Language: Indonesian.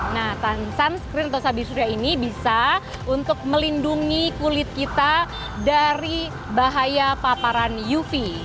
nah sunscreen atau sabi surya ini bisa untuk melindungi kulit kita dari bahaya paparan uv